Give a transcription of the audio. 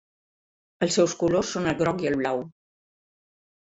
Els seus colors són el groc i el blau.